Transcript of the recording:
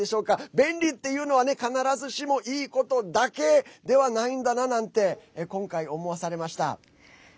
便利っていうのは必ずしもいいことではないんだなと今回、思わされました。